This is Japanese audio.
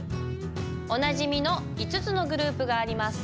おなじみの５つのグループがあります。